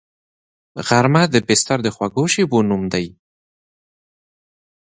غرمه د بستر د خوږو شیبو نوم دی